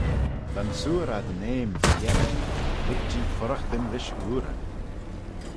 Dansoor ad yn eam fy-yerrey, lurg jee fuirraghtyn rish ooryn.